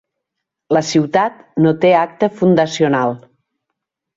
La ciutat no té acta fundacional.